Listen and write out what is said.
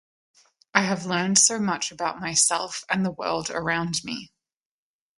I have learned so much about myself and the world around me.